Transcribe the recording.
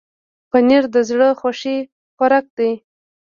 پنېر د زړه خوښي خوراک دی.